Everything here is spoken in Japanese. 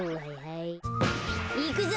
いくぞ！